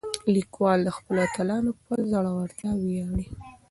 لیکوال د خپلو اتلانو په زړورتیا ویاړي.